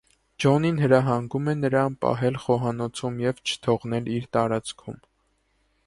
Ջոնին հրահանգում է նրան պահել խոհանոցում և չթողնել իր տարածքում։